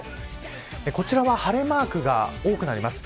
こちらは晴れマークが多くなります。